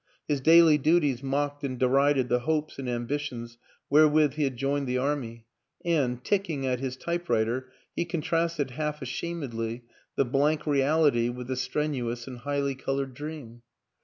His daily duties mocked and de rided the hopes and ambitions wherewith he had joined the Army; and, ticking at his typewriter, he contrasted, half ashamedly, the blank reality with the strenuous and highly colored dream.